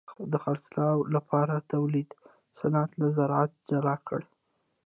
د خرڅلاو لپاره تولید صنعت له زراعت جلا کړ.